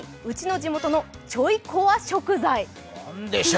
地元のちょいコワ食材。